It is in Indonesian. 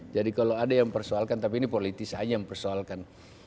jadi kalau ada yang persoalkan tapi ini politis saja yang persoalkan